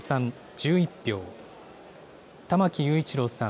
１１票、玉木雄一郎さん